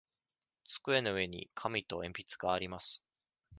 机の上に紙と鉛筆があります。